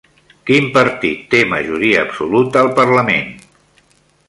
Quin partit té majoria absoluta al parlament?